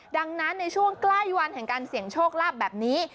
ดังนั้นในช่วงใกล้วันแห่งการเสี่ยงโชคลาภแบบนี้